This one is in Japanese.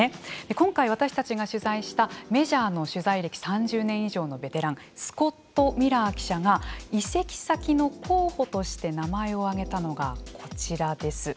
今回私たちが取材したメジャーの取材歴３０年以上のベテランスコット・ミラー記者が移籍先の候補として名前を挙げたのがこちらです。